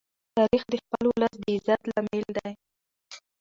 تاریخ د خپل ولس د عزت لامل دی.